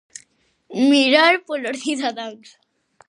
Mirar polos cidadáns.